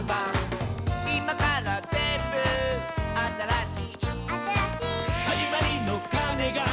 「いまからぜんぶあたらしい」「あたらしい」「はじまりのかねが」